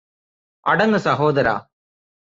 അടങ്ങ് സഹോദരാ